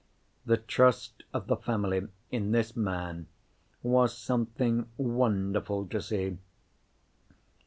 The trust of the family in this man was something wonderful to see.